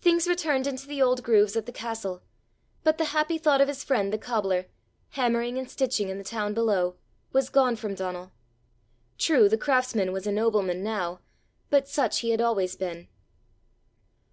Things returned into the old grooves at the castle, but the happy thought of his friend the cobbler, hammering and stitching in the town below, was gone from Donal. True, the craftsman was a nobleman now, but such he had always been!